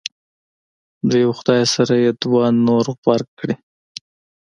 د یو خدای سره یې دوه نور غبرګ کړي.